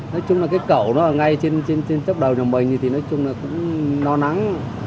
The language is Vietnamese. nói chung là cái cầu nó ở ngay trên chốc đầu nhà mình thì nói chung là cũng no nắng